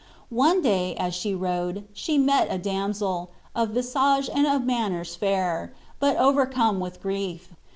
One day, as she rode, she met a damsel, of visage and of manners fair, but overcome with grief.